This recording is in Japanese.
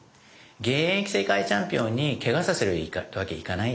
現役世界チャンピオンにけがさせるわけいかない。